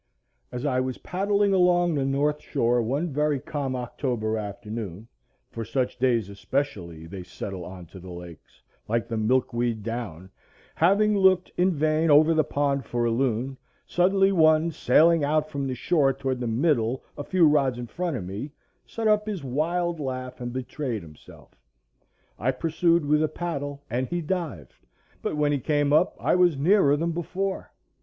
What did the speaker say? As I was paddling along the north shore one very calm October afternoon, for such days especially they settle on to the lakes, like the milkweed down, having looked in vain over the pond for a loon, suddenly one, sailing out from the shore toward the middle a few rods in front of me, set up his wild laugh and betrayed himself. I pursued with a paddle and he dived, but when he came up I was nearer than before.